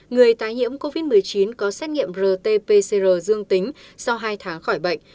người tái nhiễm covid một mươi chín có xét nghiệm rt pcr dương tính sau hai tháng khỏi bệnh